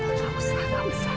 gak usah gak usah